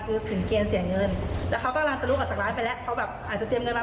ก็เซอร์ไพรน้องไปแล้วก็ไม่ได้คิดอะไรค่ะคิดว่าแบบเขาตั้งใจมาอุดหนุนเรา